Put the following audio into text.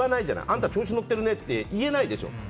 あんた調子に乗ってるって言えないじゃない。